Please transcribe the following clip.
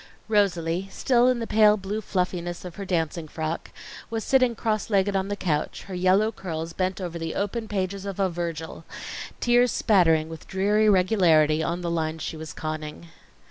Rosalie, still in the pale blue fluffiness of her dancing frock, was sitting cross legged on the couch, her yellow curls bent over the open pages of a Virgil, tears spattering with dreary regularity on the lines she was conning.